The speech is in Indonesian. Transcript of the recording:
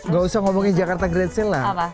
gak usah ngomongin jakarta great sale lah